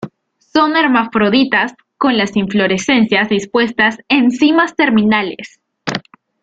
Son hermafroditas con las inflorescencias dispuestas en cimas terminales.